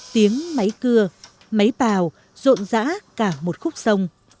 tiếng máy cưa máy bào rộn rã cả mùa